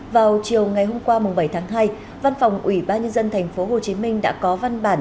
vào chiều ngày hôm qua bảy tháng hai văn phòng ủy ban nhân dân tp hcm đã có văn bản